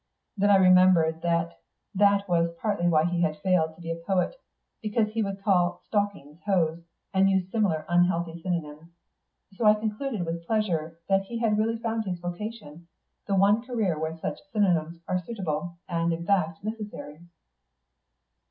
Then I remembered that that was partly why he had failed to be a poet, because he would call stockings hose, and use similar unhealthy synonyms. So I concluded with pleasure that he had really found his vocation, the one career where such synonyms are suitable, and, in fact, necessary."